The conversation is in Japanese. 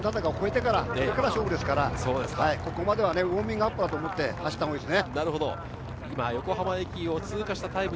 ２区は権太坂を越えてからが勝負ですから、ここまではウオーミングアップだと思って走ったほうがいいですね。